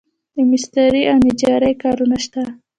د مسترۍ او نجارۍ کارونه شته